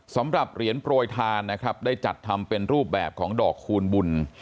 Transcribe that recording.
สำหรับเหรียญโปรยทานนะครับได้จัดทำเป็นรูปแบบของดอกคูณบุญ